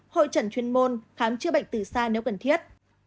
hội trần chuyên môn khám chữa bệnh từ xa nếu cần thiết